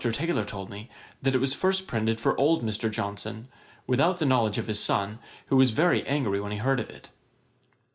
Taylor told me, that it was first printed for old Mr. Johnson, without the knowledge of his son, who was very angry when he heard of it.